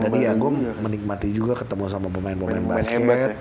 dan iya gue menikmati juga ketemu sama pemain pemain basket